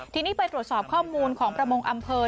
ทีนี้ไปตรวจสอบข้อมูลของประมงอำเภอ